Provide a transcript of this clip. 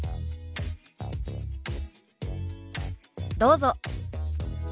どうぞ。